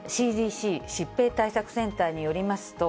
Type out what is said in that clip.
ＣＤＣ・疾病対策センターによります